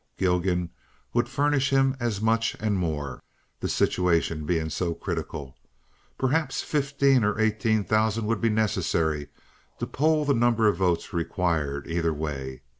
Gilgan would furnish him as much and more—the situation being so critical. Perhaps fifteen or eighteen thousand would be necessary to poll the number of votes required either way.